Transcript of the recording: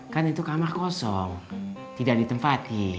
kan itu kamar kosong tidak ditempati